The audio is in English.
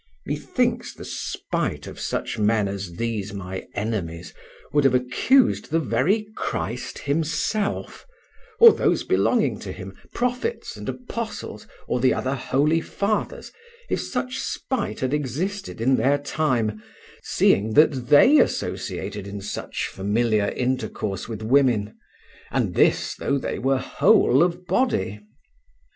Methinks the spite of such men as these my enemies would have accused the very Christ Himself, or those belonging to Him, prophets and apostles, or the other holy fathers, if such spite had existed in their time, seeing that they associated in such familiar intercourse with women, and this though they were whole of body.